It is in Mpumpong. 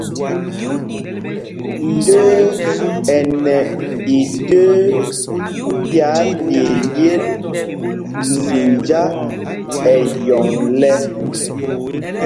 Ndə́ə́ ɛ nɛ idə́ə́ ɓī ályelyêl zinjá ɛyɔŋ lɛ̄.